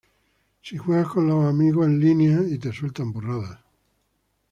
si juegas con los amigos en línea y te sueltan burradas